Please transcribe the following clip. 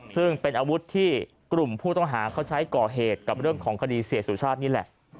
ซึ่งเป็นอาวุธที่กลุ่มผู้ต้องหาเขาใช้ก่อเหตุกับเรื่องของคดีเสียสุชาตินี่แหละ